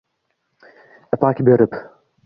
Ipak berib